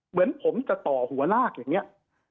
เหมือนผมจะต่อหัวลากอย่างนี้